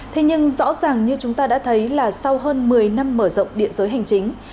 thế nhưng rõ ràng như chúng ta đã thấy là sau hơn một mươi năm mở rộng địa giới hành chính